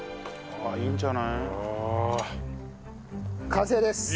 完成です！